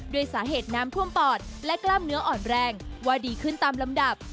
ด้วยสาเหตุน้ำท่วมปอดและกล้ามเนื้ออ่อนแรงว่าดีขึ้นตามลำดับ